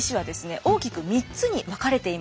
大きく３つに分かれていました。